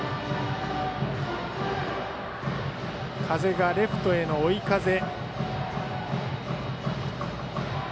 風がレフトへの追い風。